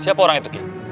siapa orang itu ki